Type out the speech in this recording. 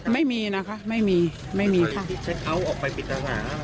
ไม่มีนะครับไม่มีไม่มีครับ